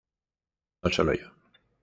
No solo yo.